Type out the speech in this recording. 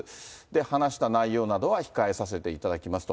話した内容などは控えさせていただきますと。